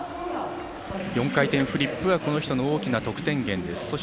４回転フリップはこの人の大きな得点源です。